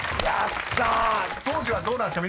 ［当時はどうなんですか？